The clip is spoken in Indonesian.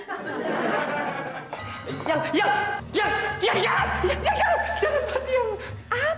yang yang yang yang yang yang yang yang jangan mati yang